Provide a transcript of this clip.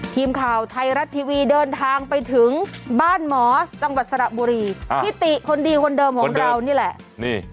ทีมข่าวไทยรัฐทีวีเดินทางไปถึงบ้านหมอจังหวัดสระบุรีพี่ติคนดีคนเดิมของเรานี่แหละ